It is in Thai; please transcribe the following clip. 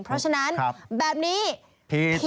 เพราะฉะนั้นแบบนี้ผิด